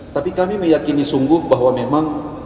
tapi kami meyakini sungguh bahwa memang